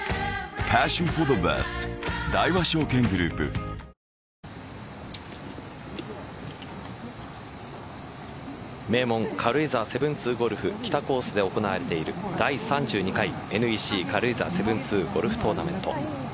安全運転でいってらっしゃい名門・軽井沢７２ゴルフ北コースで行われている第３２回ＮＥＣ軽井沢７２ゴルフトーナメント。